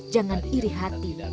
jangan iri hati